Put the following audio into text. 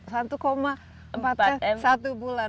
satu empatnya satu bulan